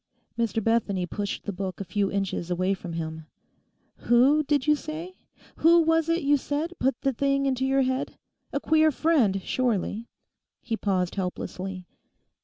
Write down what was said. Mr. Bethany pushed the book a few inches away from him. 'Who, did you say—who was it you said put the thing into your head? A queer friend surely?' he paused helplessly.